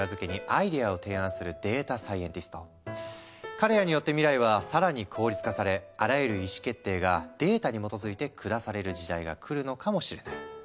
彼らによって未来は更に効率化されあらゆる意思決定がデータに基づいて下される時代がくるのかもしれない。